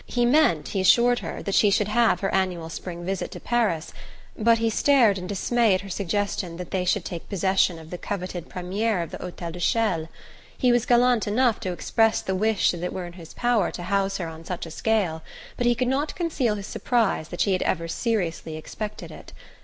He meant, he assured her, that she should have her annual spring visit to Paris but he stared in dismay at her suggestion that they should take possession of the coveted premier of the Hotel de Chelles. He was gallant enough to express the wish that it were in his power to house her on such a scale; but he could not conceal his surprise that she had ever seriously expected it.